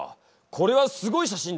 これはすごい写真だ。